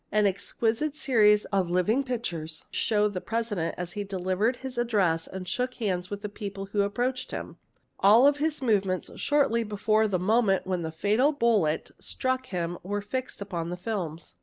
An exquisite series of living pic | shows the President.as he delivered his address and shook hands a ie Sie mk ee 254 THE EXPERT with the people who approached him. All his movements shortly before — the moment when the fatal bullet struck him were fixed upon the films.